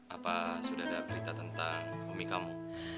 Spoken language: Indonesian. apa sudah ada berita tentang bumi kamu